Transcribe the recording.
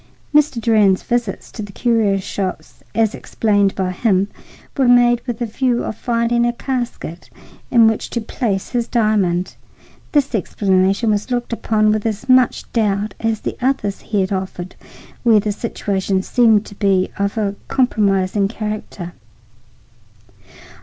Mr. Durand's visits to the curio shops, as explained by him, were made with a view of finding a casket in which to place his diamond. This explanation was looked upon with as much doubt as the others he had offered where the situation seemed to be of a compromising character.